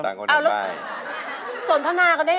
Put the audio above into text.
สนทนากันได้ยังไงอะค่ะ